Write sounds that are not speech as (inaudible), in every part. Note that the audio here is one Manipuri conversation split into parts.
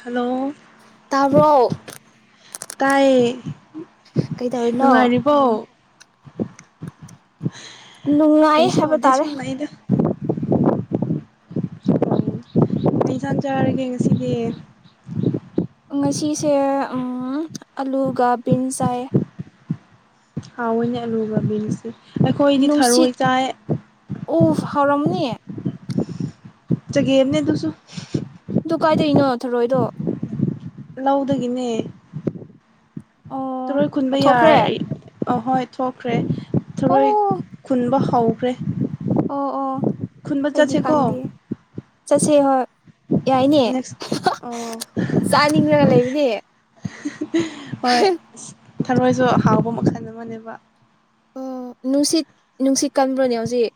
ꯍꯜꯂꯣ ꯇꯥꯕ꯭ꯔꯣ ꯇꯥꯏ ꯀꯩꯗꯧꯔꯤꯅꯣ ꯅꯨꯡꯉꯥꯏꯔꯤꯕꯣ ꯅꯨꯡꯉꯥꯏ ꯀꯩꯁ ꯇ ꯍꯥꯏꯕ ꯑꯣꯗꯦ ꯇꯥꯔꯦ ꯍ ꯅꯗ ꯑꯩ ꯆꯥꯟ ꯆꯥꯔꯒꯦ ꯉꯁꯤꯗꯤ ꯉꯁꯤꯁꯦ ꯑꯂꯨꯒ ꯕꯤꯟ ꯆꯥꯏꯌꯦ ꯍꯥꯎ ꯂꯨ ꯑꯕꯤꯅꯦꯁꯤ ꯑꯩꯈꯣꯏꯗꯤ ꯊꯔꯣꯏ ꯆꯥꯏ ꯍꯔꯝꯅꯤ ꯆꯒꯦꯝꯅꯦ ꯑꯗꯨꯁꯨ ꯆꯊꯔꯣꯏꯗꯣ ꯂꯧꯗꯒꯤꯅꯦ ꯑꯣ ꯊꯔꯣꯏ ꯈꯨꯟꯕ ꯌꯥ ꯊꯣꯛꯈ꯭ꯔꯦ ꯑ ꯍꯣꯏ ꯊꯣꯛꯈ꯭ꯔꯦ ꯑꯣ ꯊꯔꯣꯏ ꯈꯨꯟꯕ ꯍꯧꯈ꯭ꯔꯦ ꯑꯣ ꯑꯣ ꯈꯨꯟꯕ ꯆ ꯁꯦ ꯀꯣ ꯁꯤ ꯍꯣꯏ ꯌꯥꯏꯅꯦ ꯑꯣ ꯆꯥꯅꯤꯡꯈ꯭ꯔ ꯂꯩꯕꯅꯦ ꯍꯣꯏ ꯊꯔꯣꯏꯁꯨ ꯍꯥꯎꯕ ꯃꯈꯜ ꯑꯃꯅꯦꯕ ꯑꯣ ꯅꯨꯡꯁꯤꯠ ꯅꯨꯡꯁꯤꯠ ꯀꯟꯕ꯭ꯔꯣꯅꯦ ꯍꯧꯖꯤꯛ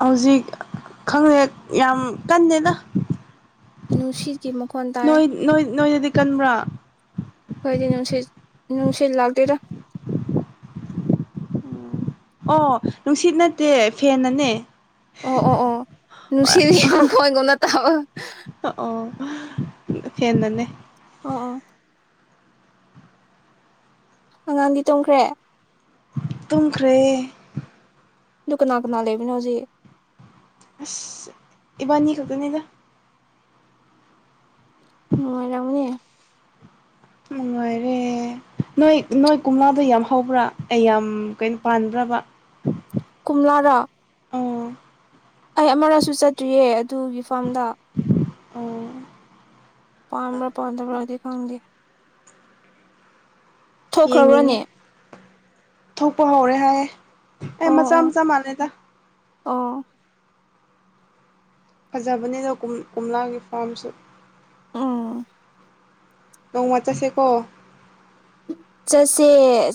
ꯍꯧꯖꯤꯛ ꯈꯪꯗꯦ ꯌꯥꯝ ꯀꯟꯅꯗꯦꯗ ꯅꯨꯡꯁꯤꯠꯒꯤ ꯃꯈꯣꯟ ꯇꯥꯏ ꯅꯣꯏ ꯅꯣꯏꯗꯗꯤ ꯀꯟꯕ꯭ꯔꯥ ꯑꯩꯈꯣꯏꯗꯤ ꯅꯨꯡꯁꯤꯠ ꯅꯨꯡꯁꯤꯠ ꯂꯥꯛꯇꯦꯗ ꯑꯣ ꯅꯨꯡꯁꯤꯠ ꯅꯠꯇꯦ ꯐꯦꯟꯅꯅꯦ ꯑꯣ ꯑꯣ ꯑꯣ ꯅꯨꯡꯁꯤꯔꯤ ꯃꯈꯣꯡ ꯑꯣꯏꯒꯅ ꯇꯕ ꯐꯦꯅꯅꯦ ꯑꯣ ꯑꯣ ꯑꯉꯥꯡꯗꯤ ꯇꯣꯡꯈ꯭ꯔꯦ ꯇꯨꯡꯈ꯭ꯔꯦ ꯑꯗꯨ ꯀꯅꯥ ꯀꯅꯥ ꯂꯩꯕꯅꯣ ꯍꯧꯖꯤꯛ ꯑꯁ ꯏꯕꯥꯅꯤꯀꯡꯇꯥ ꯅꯤꯗ ꯅꯅꯨꯡꯣꯏꯥꯏꯔꯃꯅꯤ ꯅꯨꯡꯉꯥꯏꯔꯦ ꯅꯣꯏ ꯅꯣꯏ ꯀꯨꯝꯝꯂꯥꯗ ꯌꯥꯝ ꯍꯧꯕ꯭ꯔꯥ ꯑꯩ ꯌꯥꯝ ꯀꯩꯅꯣ ꯄꯥꯟꯕꯗ꯭ꯔꯕ ꯀꯣꯝꯂꯥꯔꯥ ꯑꯣꯥ ꯑꯩ ꯑꯃꯔꯛꯁꯨ ꯆꯠꯇ꯭ꯔꯤꯌꯦ ꯑꯗꯨꯒꯤ ꯐꯥꯔꯝꯗ ꯑꯣ ꯄ ꯄꯗꯕ ꯐꯪꯒꯦ ꯊꯣꯛꯈ꯭ꯔꯕ꯭ꯔꯣꯅꯦ ꯌꯦꯡꯅꯤꯡꯉꯦ ꯊꯣꯛꯄ ꯍꯧꯔꯦ ꯍꯥꯏꯌꯦꯦ ꯑꯦ ꯃꯆꯥ ꯃꯆꯥ ꯃꯥꯟꯅꯩꯗ ꯑ ꯐꯖꯕꯅꯤꯗ ꯀꯣꯝꯂꯥꯒꯤ ꯐꯥꯔꯝꯁꯨ ꯑꯥ ꯅꯣꯡ ꯃꯆꯥꯁꯦꯀꯣ ꯆꯠꯁꯦ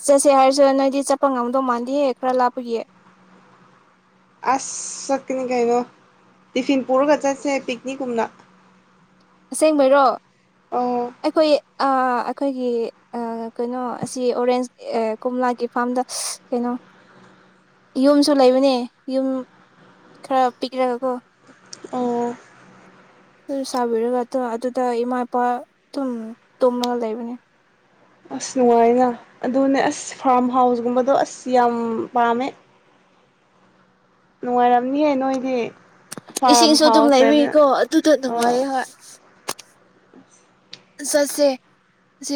ꯆꯠꯁꯦ ꯍꯥꯏꯔꯁꯨ ꯅꯣꯏꯗꯤ ꯆꯠꯄ ꯉꯝꯗꯧ ꯃꯥꯟꯗꯤꯦꯍꯦ ꯈꯔ ꯂꯥꯞꯄꯒꯤꯌꯦ ꯑꯁ ꯆꯠꯀꯅꯤ ꯀꯩꯅꯣ ꯇꯤꯐꯤꯟ ꯄꯨꯔꯒ ꯆꯠꯁꯦ ꯄꯤꯛꯅꯤꯛꯀꯨꯝꯅ ꯑꯁꯦꯡꯕꯩꯔꯣ ꯑꯣ ꯑꯩꯈꯣꯏ ꯑ ꯑꯩꯈꯣꯏꯒꯤ ꯀꯩꯅꯣ ꯑꯁꯤ ꯑꯣꯔꯦꯟꯖ ꯀꯣꯝꯂꯥꯒꯤ ꯐꯥꯔꯝꯗ ꯀꯩꯅꯣ ꯌꯨꯝꯁꯨ ꯂꯩꯕꯅꯦ ꯌꯨꯝ ꯈꯔ ꯄꯤꯈ꯭ꯔꯒꯀꯣ ꯑꯣ ꯑꯗꯨ ꯁꯥꯕꯤꯔꯒ ꯑꯗꯨ ꯑꯗꯨꯗ ꯏꯃꯥ ꯏꯄꯥ ꯑꯗꯨꯝ ꯇꯨꯝꯃꯒ ꯂꯩꯕꯅꯦ ꯑꯁ ꯅꯨꯡꯉꯥꯏꯅ ꯑꯗꯨꯅꯦ ꯑꯁ ꯐꯥꯔꯝ ꯍꯥꯎꯁꯒꯨꯝꯕꯗꯣ ꯑꯁ ꯌꯥꯝ ꯄꯥꯝꯃꯦ ꯅꯨꯡꯉꯥꯏꯔꯝꯅꯤꯌꯦꯦ ꯅꯣꯏꯗꯤ ꯐꯥꯔꯝ ꯏꯁꯤꯡꯁꯨ ꯑꯗꯨꯝ ꯍꯥꯎꯁ ꯂꯩꯕꯅ ꯂꯩꯕꯤꯀꯣ ꯑꯗꯨꯗ ꯅꯨꯡꯉꯥꯏꯌꯦ ꯍꯣꯏ ꯑ ꯆꯁꯦ ꯁꯤ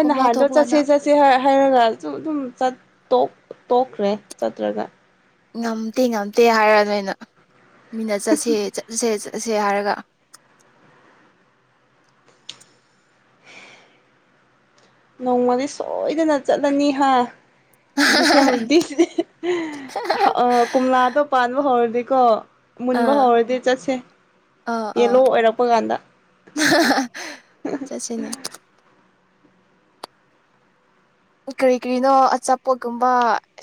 ꯀꯣꯝꯂꯥ ꯊꯣꯕꯅ ꯍꯥꯏꯔꯒꯁꯨ ꯑꯗꯨꯝ ꯇꯣꯛꯈ꯭ꯔꯦ ꯆꯠꯇ꯭ꯔꯒ ꯉꯝꯗꯦ ꯉꯝꯗꯦ ꯍꯥꯏꯔ ꯅꯣꯏꯅ ꯃꯤꯅꯥ ꯆ ꯁꯦꯆ ꯁꯦ ꯑ ꯁꯦ ꯍꯥꯏꯔꯒ ꯅꯣꯡꯃꯗꯤ ꯁꯣꯏꯗꯅ ꯆꯠꯂꯅꯤ ꯍꯥ ꯀꯃꯂꯥꯗ ꯄꯥꯟꯕꯕ ꯍꯧꯔꯗꯤ ꯀ ꯃꯨꯟꯕ ꯑꯥ ꯍꯧꯔꯗꯤ ꯆꯠꯁꯦ ꯑꯥ ꯌꯦꯂꯣ ꯑꯥ ꯑꯣꯏꯔꯛꯄ ꯀꯥꯟꯗ ꯆꯠꯁꯤꯅꯦ ꯀꯔꯤ ꯀꯔꯤꯅꯣ ꯑꯆꯥꯄꯣꯠꯀꯨꯝꯕ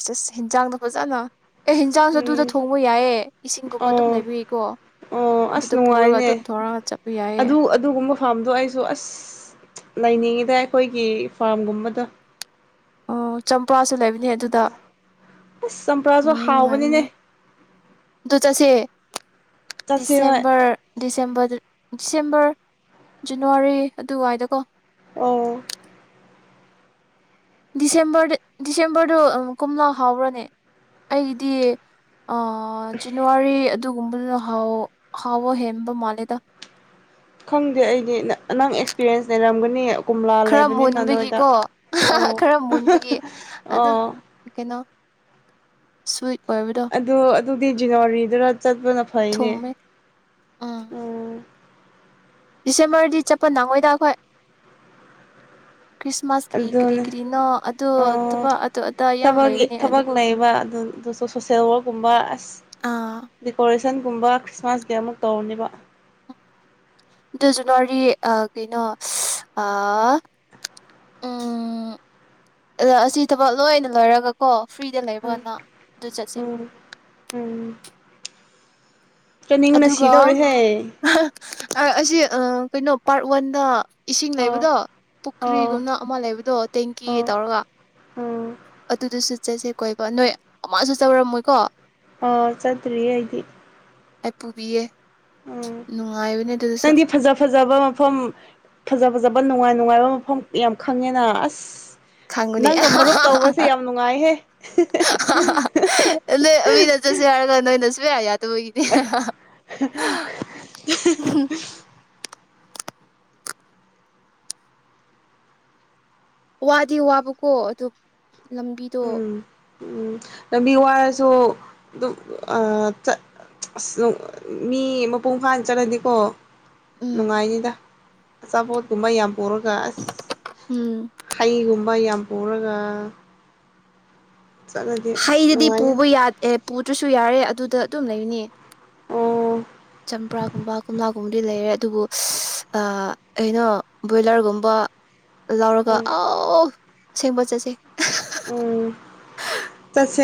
ꯆꯁ ꯌꯦꯟꯖꯥꯡꯗꯣ ꯐꯖꯅ ꯑꯦ ꯍꯤꯟꯖꯥꯡꯁꯨ ꯑꯗꯨꯗ ꯎꯝ ꯊꯣꯡꯕ ꯌꯥꯏꯌꯦ ꯏꯁꯤꯡꯒꯨꯝꯕ ꯑꯗꯨꯝ ꯑꯣ ꯂꯩꯕꯒꯤꯀꯣ ꯑꯣ ꯑꯁ ꯑꯗꯨꯗ ꯄꯨꯔꯒ ꯑꯗꯨꯝ ꯅꯨꯡꯉꯥꯏꯅꯦ ꯊꯣꯡꯔꯒ ꯆꯠꯄ ꯌꯥꯏꯌꯦ ꯐꯥꯝꯗꯣ ꯑꯩꯁꯨ ꯑꯁ ꯂꯩꯅꯤꯡꯉꯤꯗ ꯑꯩꯈꯣꯏꯒꯤ ꯐꯥꯔꯝꯒꯨꯝꯕꯗ ꯑꯣ ꯆꯝꯄ꯭ꯔꯥꯁꯨ ꯂꯩꯕꯅꯦ ꯑꯗꯨꯗ ꯑꯁ ꯆꯝꯄ꯭ꯔꯥꯖꯨ ꯎꯝ ꯍꯥꯎꯕꯅꯤꯅꯦ ꯅꯨꯡꯉꯥꯏꯕꯅꯦ ꯑꯗꯨ ꯆꯠꯁꯦ ꯆꯠꯁꯤ ꯍꯣꯏ ꯗꯤꯁꯦꯝꯕꯔ -ꯗꯤꯁꯦꯝꯝꯕꯔ ꯗꯤꯁꯦꯝꯕꯔ ꯖꯅꯋꯥꯔꯤ ꯑꯗꯨꯋꯥꯏꯗ ꯀꯣ ꯑꯣ ꯗꯤꯁꯦꯝꯕꯔꯗ- ꯗꯤꯁꯦꯝꯕꯔꯗꯣ ꯀꯣꯝꯂꯥ ꯍꯥꯎꯕ꯭ꯔꯅꯦ ꯑꯩꯗꯤ ꯑ ꯖꯅꯋꯥꯔꯤ ꯑꯗꯨꯒꯨꯝꯕꯗꯨꯅ ꯍꯥꯎ-ꯍꯥꯎꯕ ꯍꯦꯟꯕ ꯃꯥꯜꯂꯦꯗ ꯈꯪꯗꯦ ꯑꯩꯗꯤ ꯅꯪ ꯑꯦꯛꯁꯄꯤꯔꯤꯌꯦꯟꯁ ꯂꯩꯔꯝꯒꯅꯤ ꯀꯣꯝꯂꯥ ꯈꯔ ꯂꯩꯕꯅꯤꯅ ꯅꯣꯏꯗ ꯃꯨꯟꯕꯒꯤꯀꯣ- ꯑꯣ ꯈꯔ ꯃꯨꯟꯕꯒꯤ ꯑꯗꯨꯝ ꯑꯣ ꯀꯩꯅꯣ ꯁꯨꯠ ꯑꯗꯨ ꯑꯗꯨꯗꯤ ꯖꯅꯋꯥꯔꯤꯗ ꯆꯠꯄꯅ ꯐꯩꯅꯦ ꯊꯨꯝꯃꯦ ꯎꯝ ꯗꯤꯁꯦꯝꯕꯔꯗꯤ ꯆꯠꯄ ꯅꯡꯉꯣꯏꯗ ꯑꯈꯣꯏ ꯑꯗꯨꯅꯦ ꯑ ꯊꯕꯛ ꯑꯗꯨ ꯑꯗꯥ ꯌꯥꯝ ꯂꯩꯔꯤꯅꯦ ꯑꯗꯨ ꯊꯕꯛ ꯂꯩꯕ ꯑꯗꯨꯁꯨ ꯁꯣꯁꯦꯜ ꯋꯥꯔꯛꯀꯨꯝꯕ ꯑꯥ ꯑꯁ ꯀꯆꯟꯒꯨꯝꯕ ꯈ꯭ꯔꯤꯁꯃꯥꯁ ꯗꯦ ꯑꯃꯨꯛ ꯇꯧꯔꯅꯦꯕ ꯑꯗꯨ ꯖꯟꯋꯥꯔꯤ ꯑ ꯀꯩꯅꯣ ꯑ -ꯎꯝ ꯑꯁꯤ ꯊꯕꯛ ꯂꯣꯏꯅ ꯂꯣꯏꯔꯒ ꯀꯣ ꯐ꯭ꯔꯤꯗ ꯎꯝ ꯂꯩꯕꯅ ꯑꯗꯨ ꯆꯠꯁꯤ ꯎꯝ ꯎꯝ ꯆꯠꯅꯤꯡꯕꯅ ꯑꯗꯨꯒ ꯁꯤꯗꯧꯔꯦꯍꯦ ꯑ-ꯍꯥ ꯑꯁꯤ ꯀꯩꯅꯣ ꯄꯥꯔꯠ ꯋꯥꯟꯗ ꯏꯁꯤꯡ ꯑꯣ ꯂꯩꯕꯗꯣ ꯑꯣ ꯄꯨꯈ꯭ꯔꯤꯒꯨꯝꯅ ꯑꯃ ꯂꯩꯕꯗꯣ ꯇꯦꯡꯀꯤ ꯑꯣ ꯇꯧꯔꯒ ꯎꯝ ꯑꯗꯨꯗꯁꯨ ꯆꯠꯁꯦ ꯀꯣꯏꯕ ꯅꯣꯏ ꯑꯃꯁꯨ ꯆꯠꯔꯝꯂꯣꯏꯀꯣ ꯑ ꯆꯠꯇ꯭ꯔꯤ ꯑꯩꯗꯤ ꯑꯩꯄꯨꯕꯤꯌꯦ ꯎꯝ ꯅꯪꯗꯤ ꯐꯖ -ꯐꯖꯕ ꯃꯐꯝ ꯐꯖ ꯐꯖꯕ ꯅꯨꯡꯉꯥꯏ- ꯅꯨꯡꯉꯥꯏꯕ ꯃꯐꯝ ꯌꯥꯝ ꯈꯪꯉꯦꯅ ꯑꯁ ꯈꯪꯕꯅꯦ ꯅꯪꯒ ꯃꯔꯨꯞ ꯇꯧꯕꯁꯦ ꯌꯥꯝ ꯅꯨꯡꯉꯥꯏꯍꯦ ꯁꯨꯡꯌꯥ ꯌꯥ ꯇꯕꯩꯅꯤ ꯋꯥꯗꯤ ꯋꯥꯕ ꯀꯣ ꯑꯗꯨ ꯂꯝꯕꯤꯗꯣ ꯎꯝ ꯎꯝ ꯂꯝꯕꯤ ꯋꯥꯔꯁꯨ ꯑꯗꯨꯝ ꯑꯁ ꯃꯤ ꯃꯄꯨꯡ ꯐꯥꯅ ꯆꯠꯂꯗꯤꯀꯣ ꯎꯝ ꯅꯨꯡꯉꯥꯏꯅꯤꯗ ꯆꯥꯕꯣꯠ ꯀꯨꯝꯕ ꯌꯥꯝ ꯄꯣꯔꯒ ꯎꯝ ꯍꯩꯒꯨꯝ ꯃ ꯌꯥꯝ ꯄꯨꯔꯒ ꯆꯠꯂꯗꯤ ꯑꯁ ꯍꯩꯗꯨꯗꯤ ꯄꯨꯕ ꯅꯨꯡꯉꯥꯏꯅꯤꯗ ꯌꯥꯗꯦ ꯄꯨꯗ꯭ꯔꯁꯨ ꯌꯥꯔꯦ ꯑꯗꯨꯗ ꯑꯗꯨꯝ ꯂꯩꯅꯦ ꯎꯝ ꯆꯝꯄ꯭ꯔꯥꯒꯨꯝꯕ ꯀꯣꯝꯂꯥꯒꯨꯝꯕꯗꯤ ꯂꯩꯔꯦ ꯑꯗꯨꯕꯨ ꯀꯩꯅꯣ ꯕꯣꯏꯂꯔꯒꯨꯝꯕ ꯂꯧꯔꯒ ꯎꯝ ꯑꯥꯎ ꯑꯁꯦꯡꯕ ꯆꯠꯁꯦ ꯎꯝ ꯆꯠꯁꯦ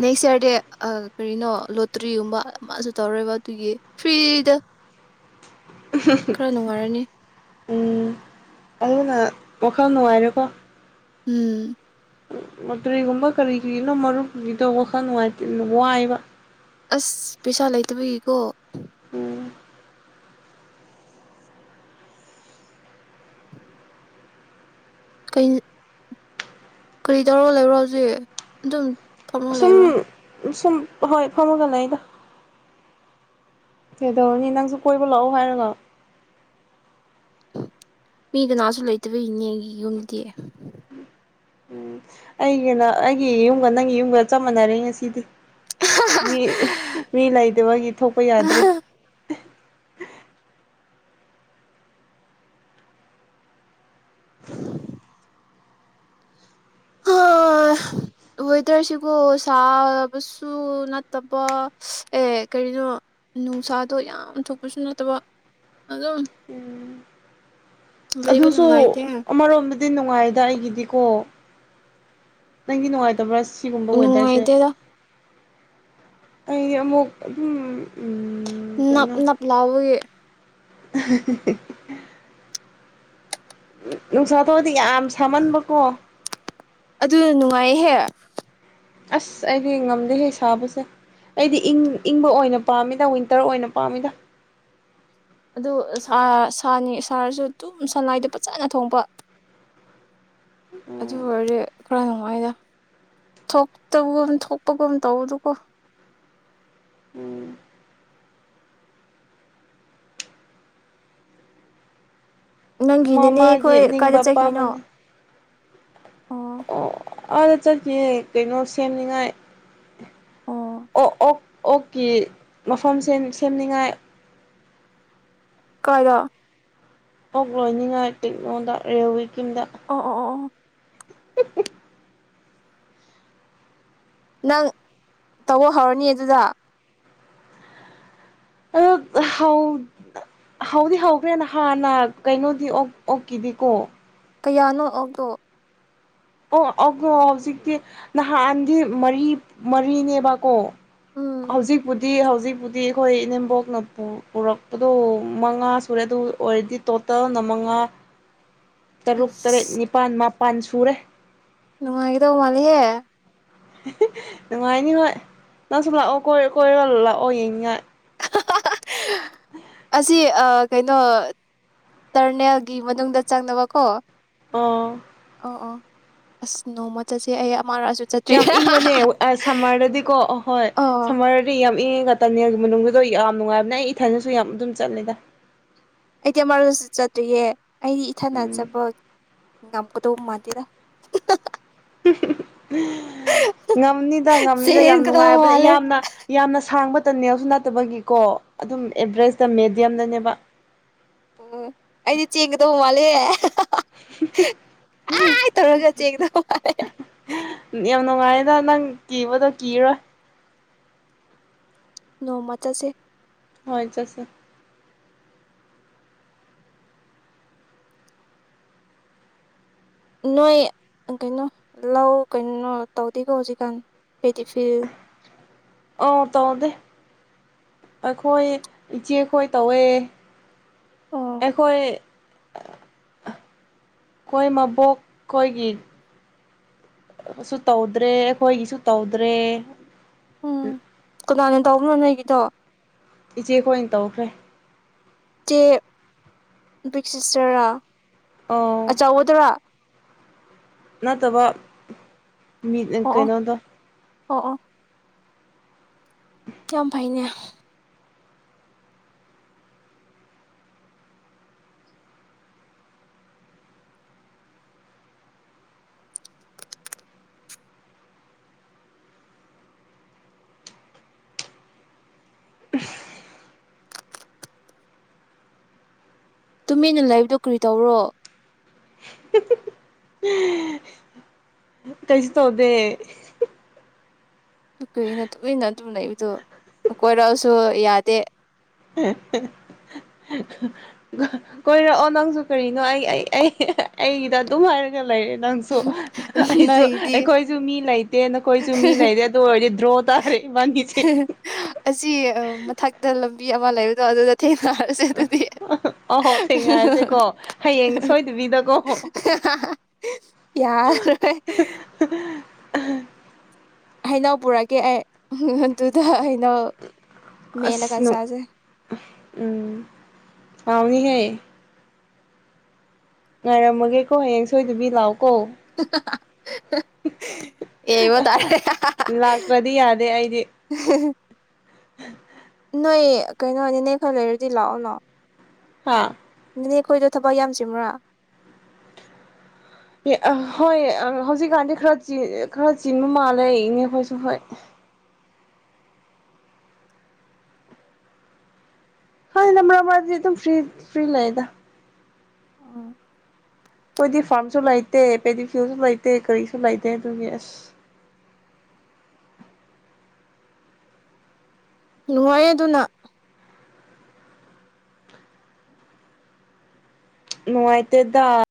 ꯅꯦꯛꯁ ꯌꯔꯗꯤ ꯑꯥ ꯀꯔꯤꯅꯣ ꯂꯣꯇ꯭ꯔꯤꯒꯨꯝꯕ ꯑꯃꯁꯨ ꯇꯧꯔꯣꯏꯕ ꯑꯗꯨꯒꯤ ꯐ꯭ꯔꯤꯗ ꯈꯔ ꯅꯨꯡꯉꯥꯏꯔꯅꯤ ꯎꯝ ꯑꯗꯨꯅ ꯋꯥꯈꯜ ꯅꯨꯡꯉꯥꯏꯔꯦꯀꯣ ꯎꯝ ꯂꯣꯇꯔꯤꯒꯨꯝꯕ ꯀꯔꯤ ꯀꯔꯤꯅꯣ ꯃꯔꯨꯞꯀꯤꯗꯣ ꯋꯥꯈꯜ ꯅꯨꯡꯉꯥꯏꯇꯦ ꯋꯥꯏꯕ ꯑꯁ ꯄꯩꯁꯥ ꯂꯩꯇꯕꯒꯤꯀꯣ ꯎꯝ ꯀꯩ ꯀꯔꯤ ꯇꯧꯔꯒ ꯂꯩꯕ꯭ꯔꯣ ꯍꯧꯖꯤꯛ ꯑꯗꯨ ꯑꯗꯨꯝ ꯐꯝꯃ ꯂꯩꯕ꯭ꯔꯣ ꯁꯨꯝ ꯁꯨꯝ ꯍꯣꯏ ꯐꯝꯃꯒꯂꯩꯗ ꯀꯗꯧꯔꯨꯅꯤ ꯅꯅꯪꯁꯨ ꯀꯣꯏꯕ ꯂꯥꯛꯑꯣ ꯍꯥꯏꯔꯒ ꯃꯤ ꯀꯅꯥꯁꯨ ꯂꯩꯇꯕ ꯏꯅꯦꯒꯤ ꯌꯨꯝꯗꯤ ꯑꯩꯒꯅ ꯑꯩꯒꯤ ꯌꯨꯝꯒ ꯅꯪꯒꯤ ꯌꯨꯝꯒ ꯆꯞ ꯃꯥꯟꯅꯔꯦ ꯉꯁꯤꯗꯤ ꯃꯤ ꯃꯤ ꯂꯩꯇꯕꯒꯤ ꯊꯣꯛꯄ ꯌꯥꯗ꯭ꯔꯦ (inaudible) ꯍꯥꯥꯍꯥꯎ ꯋꯦꯗꯔꯁꯤꯒꯣ ꯁꯥꯕꯁꯨ ꯅꯠꯇꯕ ꯑꯦ ꯀꯔꯤꯅꯣ ꯅꯨꯡꯁꯥꯗꯣ ꯌꯥꯝ ꯊꯣꯛꯄꯁꯨ ꯅꯠꯇꯕ ꯑꯗꯨꯝ ꯂꯩꯕ ꯑꯗꯨꯁꯨ ꯅꯨꯡꯉꯥꯏꯇꯦ ꯑꯃꯔꯣꯝꯗ ꯗꯤ ꯅꯨꯡꯉꯥꯏꯗ ꯑꯩꯒꯤꯗꯤꯀꯣ ꯅꯪꯒꯤ ꯅꯨꯡꯉꯥꯏꯇꯕ꯭ꯔꯥ ꯁꯤꯒꯨꯝꯕ ꯋꯦꯗꯔꯁꯦ ꯅꯨꯡꯉꯥꯏꯇꯦꯗ ꯑꯩ ꯑꯃꯨꯛ ꯑꯗꯨꯝꯝ ꯅꯞ ꯅꯞ ꯂꯥꯎꯏ ꯏꯍꯤꯍꯤ ꯅꯨ ꯅꯨꯡꯁꯥ ꯊꯣꯛꯑ ꯌꯥꯝ ꯁꯥꯃꯟꯕꯀꯣ ꯑꯗꯨꯅ ꯅꯨꯡꯉꯥꯏꯍꯦ ꯑꯁ ꯑꯩꯗꯤ ꯉꯝꯗꯦꯍꯦ ꯁꯥꯕꯁꯦ ꯑꯩꯗꯤ ꯏꯪ ꯏꯪꯕ ꯑꯣꯏꯅ ꯄꯥꯝꯃꯤꯗ ꯋꯤꯟꯇꯔ ꯑꯣꯏꯅ ꯄꯥꯝꯃꯤꯗ ꯑꯗꯨ ꯁꯥ ꯁꯥꯅꯤ ꯁꯥꯔꯁꯨ ꯑꯗꯨꯝ ꯁꯉꯥꯏꯗꯣ ꯐꯖꯅ ꯊꯣꯡꯕ ꯑꯗꯨ ꯑꯣꯏꯔꯗꯤ ꯈꯔ ꯅꯨꯡꯉꯥꯏꯅ ꯊꯣꯛꯇꯕꯒꯨꯝ ꯊꯣꯛꯄꯒꯨꯝ ꯇꯧꯕꯗꯨꯀꯣ ꯎꯝ ꯃꯥ ꯅꯪꯒꯤꯅꯤꯅꯦ ꯃꯥꯒꯤ ꯑꯩꯈꯣꯏ ꯅꯤꯡꯕ ꯀꯥꯏꯗ ꯆꯠꯈꯤꯅꯣ ꯑꯄꯥꯝꯕꯅꯤ ꯑꯣ ꯑꯗ ꯆꯠꯁꯤ ꯀꯩꯅꯣ ꯁꯦꯝꯅꯤꯡꯉꯥꯏ ꯑꯣ ꯑꯣ ꯑꯣꯛ ꯑꯣꯛꯀꯤ ꯃꯐꯝ ꯁꯦꯝꯅꯤꯡꯉꯥꯏ ꯈꯔ ꯑꯣ ꯂꯣꯏꯅꯤꯡꯉꯥꯏ ꯇꯦꯛꯛꯅꯣꯗ ꯔꯦꯋꯤꯛ ꯑꯣ ꯑꯣ ꯅꯪ ꯇꯧꯕ ꯍꯧꯔꯅꯤ ꯑꯗꯨꯗ ꯑꯣ ꯍꯧꯥꯎꯗꯤ ꯍꯧꯈ꯭ꯔꯦꯅ ꯍꯥꯟꯅ ꯀꯩꯅꯣꯗꯤ ꯑꯣꯛꯀꯤꯗꯤꯀꯣ ꯀꯌꯥꯅꯣ ꯑꯗꯣ ꯑꯣ ꯑꫭ ꯍꯧꯖꯤꯛꯇꯤ ꯅꯍꯥꯟꯗꯤ ꯃꯔꯤ ꯃꯔꯤꯅꯦꯕꯀꯣ ꯎꯝ ꯍꯧꯖꯤꯛꯄꯨꯗꯤ ꯍꯧꯖꯤꯛꯄꯨꯗꯤ ꯑꯩꯈꯣꯏ ꯏꯅꯦꯝꯕꯣꯛꯅ ꯄꯨꯔꯛꯄꯗꯣ ꯃꯉꯥ ꯁꯨꯔꯦ ꯑꯗꯨ ꯑꯣꯏꯔꯗꯤ ꯇꯣꯇꯜꯅ ꯃꯉꯥ ꯇꯔꯨꯛ ꯇꯔꯦꯠ ꯏꯁ ꯅꯤꯄꯥꯜ ꯃꯥꯄꯜ ꯄꯟ ꯁꯨꯔꯦ ꯅꯨꯡꯉꯥꯏꯒꯗꯧꯕ ꯃꯥꯂꯦꯍꯦ ꯅꯨꯡꯉꯥꯏꯅꯤ ꯍꯣꯏ ꯅꯪꯁꯨ ꯂꯥꯛꯑꯣ ꯀꯣꯏꯔꯂ ꯂꯥꯛꯑꯣ ꯌꯦꯡꯅꯤꯡꯉꯥꯏ ꯑꯁꯤ ꯀꯩꯅꯣ ꯇꯔꯅꯦꯜꯒꯤ ꯃꯅꯨꯡꯗ ꯆꯪꯅꯕꯀꯣ ꯑꯣ ꯑꯣ ꯑꯣ ꯑꯁ ꯅꯣꯡꯃ ꯆꯠꯁꯦ ꯑ ꯌꯥꯝ ꯏꯪꯕꯅꯦ ꯁꯝꯃꯔꯗꯗꯤꯀꯣ ꯑꯍꯣꯏ ꯑꯣ ꯁꯝꯃꯔꯗꯗꯤ ꯌꯥꯝ ꯏꯪ ꯇꯅꯦꯜꯒꯤ ꯃꯅꯨꯡꯗꯣ ꯌꯥꯝ ꯅꯨꯡꯉꯥꯏꯕꯅꯦ ꯑꯩ ꯏꯊꯗꯁꯨ ꯌꯥꯝ ꯑꯗꯨꯝ ꯆꯠꯂꯦꯗ ꯑꯩꯗꯤ ꯃꯔꯣꯟꯁꯨ ꯆꯠꯇ꯭ꯔꯤꯌꯦ ꯑꯩꯗꯤ ꯏꯊꯟ ꯎꯝ ꯆꯠꯄꯥ ꯉꯝꯒꯥꯗꯧ ꯃꯥꯟꯗ ꯉꯝꯅꯤꯗ ꯉꯝꯅꯤꯗ ꯌꯥꯝ ꯆꯦꯟꯒꯗꯧ ꯅꯨꯡꯉꯥꯏꯔꯕꯅꯦ ꯃꯥꯜꯂꯦ ꯌꯥꯝꯅ ꯌꯥꯝꯅ ꯁꯥꯡꯕ ꯇꯅꯦꯜꯁꯨ ꯅꯠꯇꯕꯒꯤꯀꯣ ꯑꯗꯨꯝ ꯑꯦꯚꯔꯦꯁꯇ ꯃꯦꯗꯤꯌꯝꯗꯅꯦꯕ ꯑꯣ ꯑꯩꯗꯤ ꯆꯦꯡꯒꯗꯧꯕ ꯃꯥꯜꯂꯦ ꯑꯥ ꯇꯧꯔꯒ ꯆꯦꯟꯗꯩꯕ ꯃꯜꯂꯤ ꯀꯤꯕꯗꯨ ꯀꯤꯔꯥꯔꫭꯏ ꯅꯣꯡꯃ ꯆꯠꯁꯦ ꯍꯣꯏ ꯆꯠꯁꯦ ꯅꯣꯏ ꯀꯩꯅꯣ ꯂꯧ ꯀꯩꯅꯣ ꯇꯧꯗꯦꯀꯣ ꯍꯧꯖꯤꯛꯀꯥꯟ ꯄꯦꯗꯤꯐꯤꯜ ꯑ ꯇ ꯑꯣꯗ ꯑꯩꯈꯣꯏ ꯏꯆꯦꯈꯣꯏ ꯇꯧꯋꯦ ꯑꯣ ꯑꯩꯈꯣꯏ ꯑꯩꯈꯣꯏ ꯃꯕꯣꯛ ꯑꯩꯈꯣꯏꯒꯤ ꯁꯨ ꯇꯧꯗ꯭ꯔꯦ ꯑꯩꯈꯣꯏꯒꯤꯁꯨ ꯇꯧꯗ꯭ꯔꯦ ꯎꯝ ꯀꯗꯥꯅ ꯇꯧꯕꯅꯣ ꯅꯣꯏꯒꯤꯗꯣ ꯏꯆꯦ ꯈꯣꯏꯅ ꯇꯧꯈ꯭ꯔꯦ ꯇꯦ ꯕ꯭ꯔꯤꯛꯁꯤꯁꯔꯥ ꯑꯣ ꯑꯆꯥ ꯑꯣꯗꯔꯥ ꯅꯠꯇꯕ ꯃꯤ ꯑꯣ ꯑꯣ ꯀꯩꯅꯩꯅꯣꯗ ꯑꯣ ꯑꯣ ꯌꯥꯝ ꯐꯩꯅꯦ ꯇꯨꯃꯤꯟꯅ ꯂꯩꯕꯗꯣ ꯀꯔꯤ ꯇꯧꯕꯔꯣ ꯀꯩꯁꯨ ꯇꯧꯗꯦ ꯀꯩꯅꯣ ꯇꯨꯃꯤꯟꯅ ꯑꯗꯨ (inaudible) ꯀꯣꯏꯔꯛꯑꯣꯁꯨ ꯌꯥꯗꯦ ꯀꯣꯏꯔꯛꯑꯣ ꯅꯪꯁꯨ ꯀꯔꯤꯅꯣ ꯑꯩ ꯑꯩꯒꯤꯗ ꯑꯗꯨꯝ ꯍꯥꯏꯔꯒ ꯂꯩꯔꯦ ꯅꯪꯁꯨ ꯑꯩꯁꯨ ꯅꯣꯏꯗꯤ ꯑꯩꯈꯣꯏꯁꯨ ꯃꯤ ꯂꯩꯇꯦ ꯅꯈꯣꯏꯁꯨ ꯃꯤ ꯂꯩꯔꯦ ꯑꯗꯨ ꯑꯣꯏꯔꯗꯤ ꯗ꯭ꯔꯣ ꯇꯥꯔꯦ ꯏꯕꯥꯅꯤꯁꯦ ꯑꯁꯤ ꯃꯊꯛꯇ ꯑꯃ ꯂꯩꯕꯗ ꯑꯗꯨ ꯊꯦꯡꯅꯔꯁꯦ ꯑꯗꯨꯗꯤ ꯑꯍꯣ ꯊꯦꯡꯅꯔꯁꯦꯀꯣ ꯍꯌꯦꯡ ꯁꯣꯏꯗꯕꯤꯗꯀꯣ ꯌꯥꯔ ꯌꯥꯔꯔꯣꯏ ꯍꯩꯅꯧ ꯄꯨꯔꯛꯀꯦ ꯑꯩ ꯑꯗꯨꯗ ꯑꯩꯅ ꯃꯦꯂꯒ ꯑꯁ ꯅꯨ ꯆꯥꯖꯩ ꯑꯦ ꯉꯥꯏꯔꯝꯃꯒꯦꯀꯣ ꯍꯌꯦꯡ ꯁꯣꯏꯗꯕꯤ ꯂꯥꯛꯑꯣ ꯀꯣ (unintelligible) ꯌꯩꯕ ꯇꯥꯔꯦ ꯂꯥꯛꯇ꯭ꯔꯗꯤ ꯌꯥꯗꯦ ꯑꯩꯗꯤ (unintelligible) ꯅꯣꯏ ꯀꯩꯅꯣꯅꯤ ꯅꯅꯦ ꯈꯔ ꯂꯩꯔꯗꯤ ꯂꯥꯛꯑꯣꯅꯣ ꯍꯥ ꯅꯦ ꯑꯩꯈꯣꯏꯗꯣ ꯊꯕꯛ ꯌꯥꯝꯆꯤꯟꯕ꯭ꯔꯥ ꯑ ꯍꯣꯏ ꯍꯧꯖꯤꯛꯀꯥꯟꯗꯤ ꯈꯔ ꯈꯔ ꯆꯤꯟꯕ ꯃꯥꯜꯂꯦ ꯏꯅꯦ ꯑꯩꯈꯣꯏꯁꯨ ꯍꯣꯏ ꯍ ꯅ ꯃꯔꯛ ꯃꯔꯛ ꯑꯗꯨꯝ ꯐ꯭ꯔꯤ ꯐ꯭ꯔꯤ ꯂꯩꯗ ꯑ ꯑꯩꯈꯣꯏꯗꯤ ꯐꯥꯔꯝꯁꯨ ꯂꯩꯇꯦ ꯄꯦꯗꯤ ꯐꯤꯜꯁꯨ ꯂꯩꯇꯦ ꯀꯔꯤꯁꯨ ꯂꯩꯇꯦ ꯑꯗꯨꯒꯤ ꯑꯁ ꯅꯨꯡꯉꯥꯏ ꯑꯗꯨꯅ ꯅꯨꯡꯉꯥꯏꯇꯦꯗ